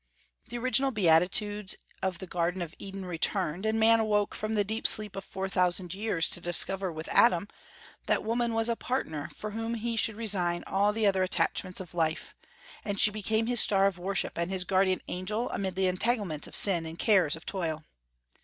The original beatitudes of the Garden of Eden returned, and man awoke from the deep sleep of four thousand years, to discover, with Adam, that woman was a partner for whom he should resign all the other attachments of life; and she became his star of worship and his guardian angel amid the entanglements of sin and cares of toil.